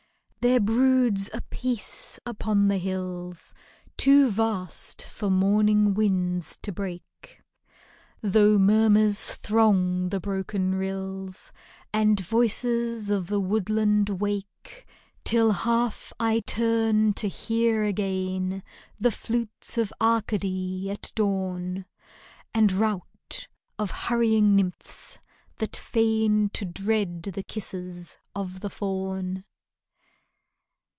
There broods a peace upon the hills, Too vast for morning winds to break, Tho* murmurs throng the broken rills, And voices of the woodland wake, Till half I turn to hear again The flutes of Arcady at dawn, And rout of hurrying nymphs that feign To dread the kisses of the faun.